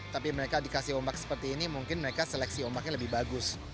tapi mereka dikasih ombak seperti ini mungkin mereka seleksi ombaknya lebih bagus